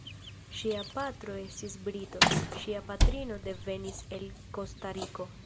Ŝia patro estis brito, ŝia patrino devenis el Kostariko.